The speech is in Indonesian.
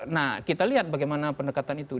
nah kita lihat bagaimana pendekatan itu